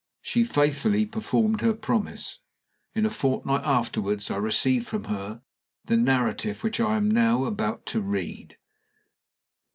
"She faithfully performed her promise. In a fortnight afterward I received from her the narrative which I am now about to read."